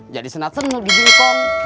jadi senat senur gigi ngkong